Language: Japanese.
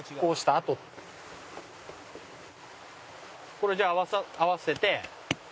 これじゃあ合わせて。